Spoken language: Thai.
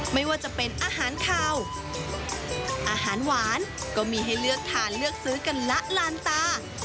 ไม่ว่าจะเป็นอาหารคาวอาหารหวานก็มีให้เลือกทานเลือกซื้อกันละลานตา